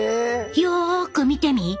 よく見てみ。